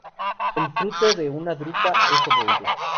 El fruto es una drupa obovoide.